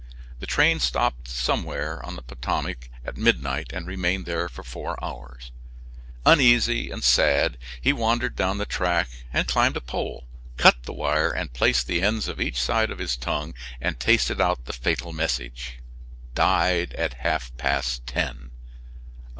The train stopped somewhere on the Potomac at midnight and remained there for four hours. Uneasy and sad, he wandered down the track and climbed a pole, cut the wire and placed the ends each side of his tongue and tasted out the fatal message "Died at half past ten."